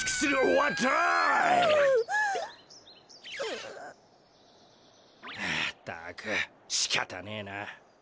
はあったくしかたねえな。